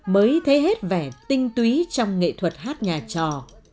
mới thấy hết vẻ tinh túy trong nghệ thuật hát nhà trò